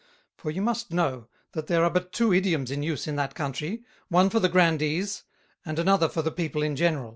For you must know, that there are but two Idioms in use in that Country, one for the Grandees, and another for the People in general.